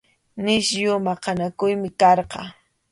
Nisyu maqanakuymi karqan.